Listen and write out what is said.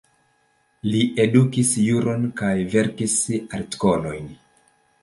Li edukis juron kaj verkis artikolojn.